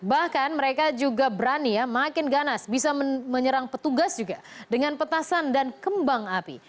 bahkan mereka juga berani ya makin ganas bisa menyerang petugas juga dengan petasan dan kembang api